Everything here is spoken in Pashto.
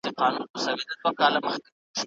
د علم د پرمختګ پر مهال دیني اصول مهم دي.